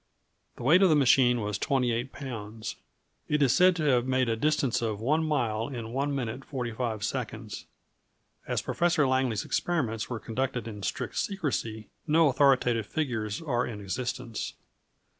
The weight of the machine was 28 lbs. It is said to have made a distance of 1 mile in 1 minute 45 seconds. As Professor Langley's experiments were conducted in strict secrecy, no authoritative figures are in existence.